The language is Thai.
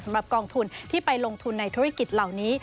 กองทุนที่ไปลงทุนในธุรกิจเหล่านี้